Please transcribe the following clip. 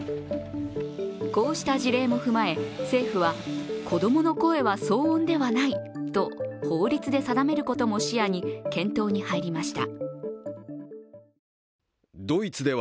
こうした事例も踏まえ政府は子供の声は騒音ではないと法律で定めることも視野に検討に入りました。